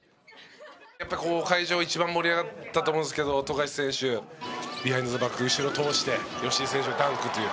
やっぱ会場一番盛り上がったと思うんですけど富樫選手ビハインド・ザ・バック後ろ通して吉井選手がダンクという。